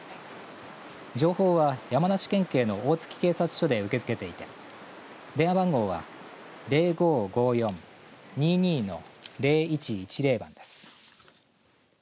情報は山梨県警の大月警察署で受け付けていて電話番号は０５５４−２２−０１１０です。